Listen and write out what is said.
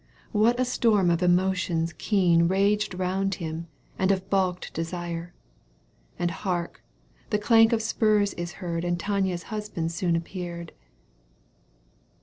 ^ What a storm of emotions keen Eaged round him and of balked desire ! And hark ! the clank of spurs is heard And Tania's husband soon appeared.